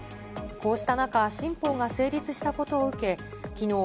こうした中、新法が成立したことを受け、きのう、